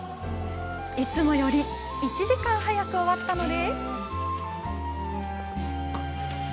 いつもより１時間早く終わったので。